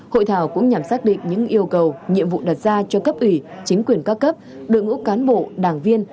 hội thảo cũng nhằm xác định những yêu cầu nhiệm vụ đặt ra cho cấp ủy chính quyền các cấp đội ngũ cán bộ đảng viên